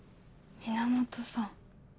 源さん。